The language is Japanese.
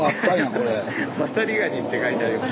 ワタリガニって書いてあります。